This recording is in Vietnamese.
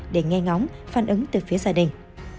để nghe ngóng phản ứng từ phía gia đình